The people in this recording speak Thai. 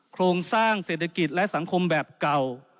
โครงสร้างเศรษฐกิจและสังคมแบบเก่า